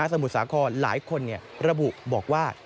มุทรสาครหลายคนระบุบอกว่า